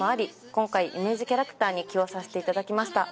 今回イメージキャラクターに起用させていただきました。